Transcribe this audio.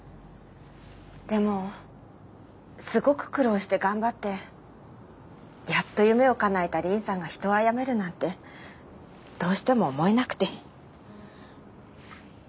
でもすごく苦労して頑張ってやっと夢をかなえた凛さんが人を殺めるなんてどうしても思えなくて。